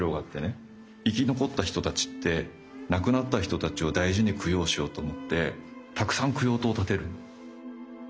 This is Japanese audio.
生き残った人たちって亡くなった人たちを大事に供養しようと思ってたくさん供養塔を建てるの。